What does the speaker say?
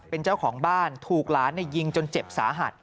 เป็นเจ้าของบ้านถูกหลานยิงจนเจ็บสาหัส